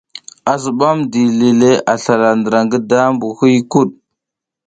A zibam dili le a slala ndra le ngi daʼmbu huykuɗ.